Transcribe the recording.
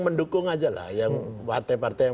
mendukung aja lah yang partai partai yang